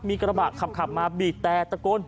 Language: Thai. มีกระบะขับมาบีบแต่ตะโกน